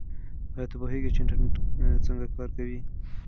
آیا ته پوهېږې چې انټرنیټ څنګه کار کوي؟